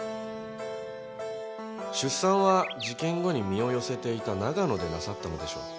出産は事件後に身を寄せていた長野でなさったのでしょう。